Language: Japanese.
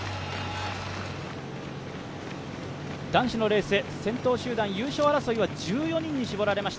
男子のレース、先頭集団、優勝争いは１４人に絞られました。